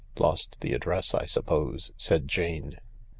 " Lost the address, I suppose," said Jane.